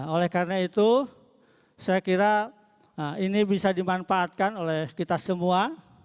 oleh karena itu saya kira ini bisa dimanfaatkan oleh kita semua